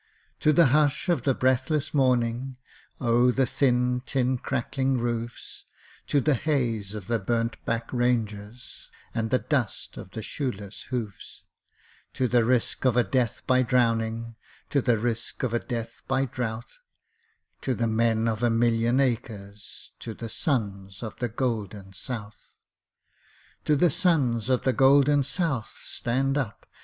_ To the hush of the breathless morning Oh the thin, tin, crackling roofs, To the haze of the burned back ranges And the dust of the shoeless hoofs To the risk of a death by drowning, To the risk of a death by drouth To the men of a million acres, To the Sons of the Golden South! _To the Sons of the Golden South (Stand up!)